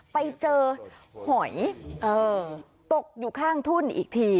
ไปเจอหอยตกอยู่ข้างทุ่นอีกที